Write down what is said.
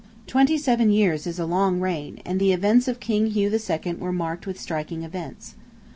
Twenty seven years is a long reign, and the years of King Hugh II. were marked with striking events.